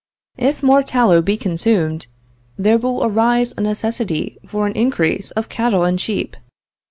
"If more tallow be consumed, there will arise a necessity for an increase of cattle and sheep.